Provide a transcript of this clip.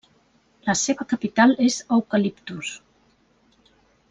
La seva capital és Eucaliptus.